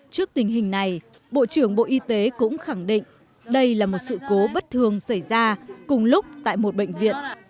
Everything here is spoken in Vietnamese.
trước tình hình này bộ trưởng bộ y tế cũng khẳng định đây là một sự cố bất thường xảy ra cùng lúc tại một bệnh viện